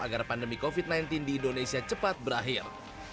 agar pandemi covid sembilan belas di indonesia cepat berakhir